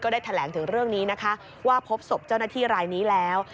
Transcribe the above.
ได้แถลงถึงเรื่องนี้นะคะว่าพบศพเจ้าหน้าที่รายนี้แล้ว